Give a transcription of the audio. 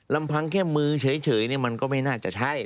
ลำพังแค่มือเฉยมันก็ไม่น่าจะใช่